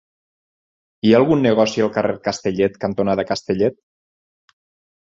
Hi ha algun negoci al carrer Castellet cantonada Castellet?